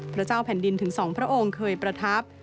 พระเจ้าแผ่นดินถึง๒พระองค์เคยประทับ